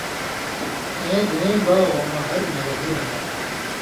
اېں دُوئیں باغؤں مہ، ہر مېوہ دُو رَن٘گاں تھہ۔